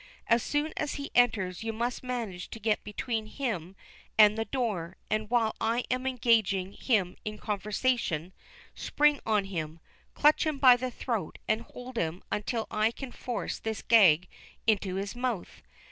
As soon as he enters you must manage to get between him and the door, and, while I am engaging him in conversation, spring on him, clutch him by the throat, and hold him until I can force this gag into his mouth.